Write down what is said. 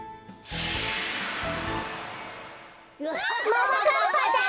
ももかっぱちゃん！